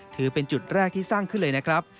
ถือเป็นจุดแรกที่สร้างขึ้นเลยนะครับ